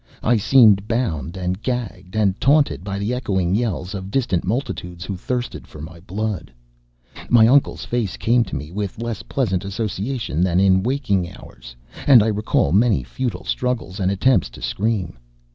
I seemed bound and gagged, and taunted by the echoing yells of distant multitudes who thirsted for my blood. My uncle's face came to me with less pleasant association than in waking hours, and I recall many futile struggles and attempts to scream.